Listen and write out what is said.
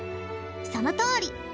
そのとおり！